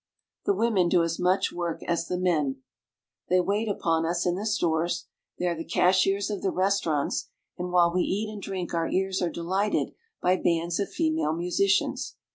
The women do as much work as the men. They wait upon us in the stores, they are the cashiers of the restau rants, and while we eat and drink our ears are delighted IN THE CAPITAL OF AUSTRIA HUNGARY. 29 1 by bands of female musicians.